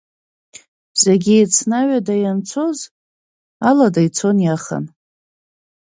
Зегь еицны аҩада ианцоз, алада ицон иахан.